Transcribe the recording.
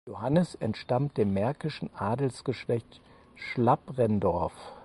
Johannes entstammt dem märkischen Adelsgeschlecht Schlabrendorff.